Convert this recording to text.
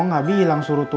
kong gak bilang suruh nunggu